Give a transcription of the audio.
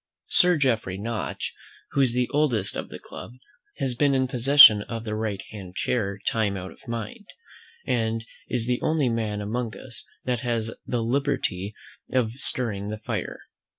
Sir Jeoffery Notch, who is the oldest of the club, has been in possession of the right hand chair time out of mind, and is the only man among us that has the liberty of stirring the fire.